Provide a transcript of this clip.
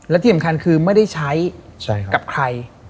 และที่สำคัญคือไม่ได้ใช้กับใคร